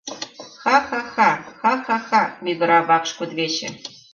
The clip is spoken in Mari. «Ха-ха-ха, ха-ха-ха», — мӱгыра вакш кудывече.